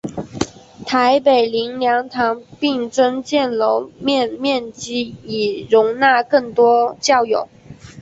台北灵粮堂并增建楼面面积以容纳更多教友。